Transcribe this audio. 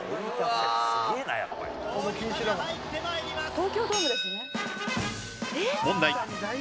東京ドームですね。